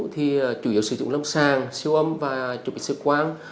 thì chủ yếu sử dụng lông sang siêu âm và trục xếp khoáng